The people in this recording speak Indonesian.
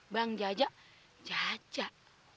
bang jajak jajak